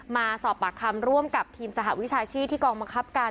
มาสอบปากคำร่วมกับทีมสหวิชาชีพที่กองบังคับการ